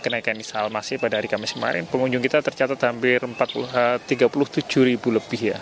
kenaikan isa al masih pada hari kamis kemarin pengunjung kita tercatat hampir tiga puluh tujuh ribu lebih ya